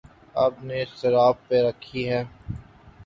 آپ نے شراب پی رکھی ہے؟